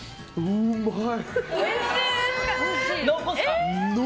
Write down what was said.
うまい！